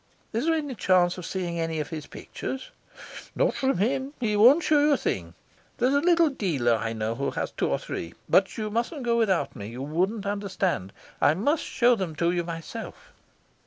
Is there any chance of seeing any of his pictures?" "Not from him. He won't show you a thing. There's a little dealer I know who has two or three. But you mustn't go without me; you wouldn't understand. I must show them to you myself."